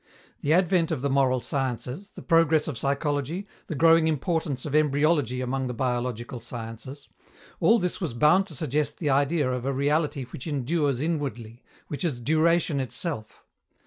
The advent of the moral sciences, the progress of psychology, the growing importance of embryology among the biological sciences all this was bound to suggest the idea of a reality which endures inwardly, which is duration itself.